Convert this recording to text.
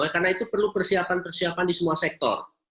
karena itu perlu persiapan persiapan di semua sektor